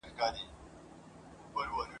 سوځول مي خلوتونه هغه نه یم ..